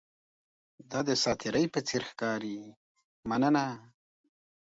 دا د ساتیرۍ په څیر ښکاري، مننه!